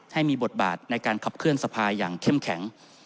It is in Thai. ให้มีบทบาทในการขับเคลื่อนสภาอย่างเข้มแข็ง